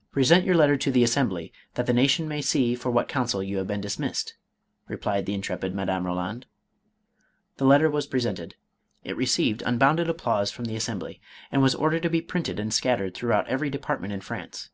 " Present your letter to the Assembly, that the nation may see for what counsel you have been dfemissed," replied the intrepid Madame Roland. The letter was presented. It received unbounded applause from the Assembly, and was ordered to be printed and scattered throughout every department in France.